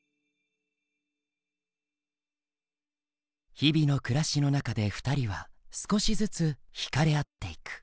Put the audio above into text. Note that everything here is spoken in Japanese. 日々の暮らしの中で２人は少しずつ惹かれ合っていく。